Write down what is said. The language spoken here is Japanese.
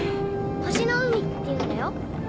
星の湖っていうんだよ。